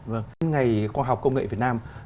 vâng ngày khoa học công nghệ việt nam